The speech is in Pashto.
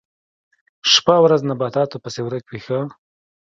شپه او ورځ نباتاتو پسې ورک وي ښه.